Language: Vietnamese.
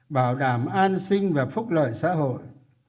bảo đảm an sinh và phúc lợi xã hội